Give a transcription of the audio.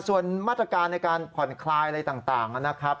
ส่วนมาตรการในการผ่อนคลายอะไรต่างนะครับ